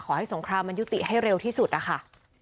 สงครามมันยุติให้เร็วที่สุดนะคะ